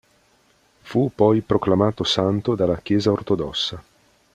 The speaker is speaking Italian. Fu poi proclamato santo dalla Chiesa ortodossa.